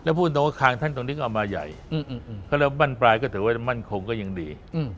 พูดตรงว่าคางท่านตรงนี้ก็เอามาใหญ่เขาเรียกว่าบ้านปลายก็ถือว่ามั่นคงก็ยังดี